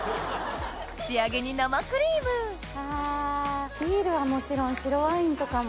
仕上げにビールはもちろん白ワインとかも。